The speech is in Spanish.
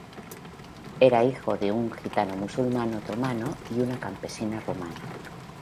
Era hijo de un gitano musulmán otomano y una campesina rumana.